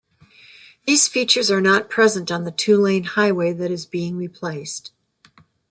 These features are not present on the two-lane highway that is being replaced.